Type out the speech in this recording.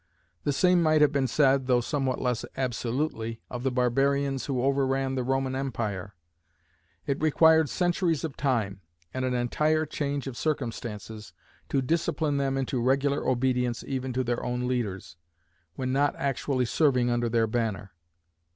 The same might have been said, though somewhat less absolutely, of the barbarians who overran the Roman Empire. It required centuries of time, and an entire change of circumstances, to discipline them into regular obedience even to their own leaders, when not actually serving under their banner.